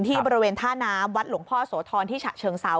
บริเวณท่าน้ำวัดหลวงพ่อโสธรที่ฉะเชิงเซา